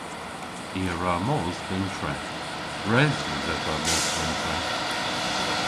I a wra mos dhe'n treth. Res yw dhedha mos dhe'n treth.